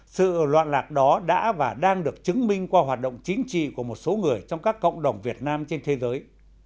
sự loạn lạc đó đã và đang được chứng minh qua hoạt động chính trị của một số người trong các cộng đồng việt nam trên thế giới